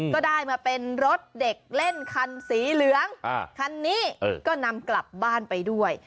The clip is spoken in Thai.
ก็ได้มาเป็นรถเด็กเล่นคันสีเหลืองคันนี้ก็นำกลับบ้านไปด้วย